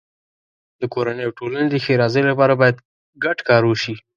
د کورنۍ او ټولنې د ښېرازۍ لپاره باید ګډ کار وشي.